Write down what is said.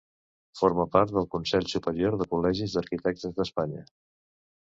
Forma part del Consell Superior de Col·legis d'Arquitectes d'Espanya.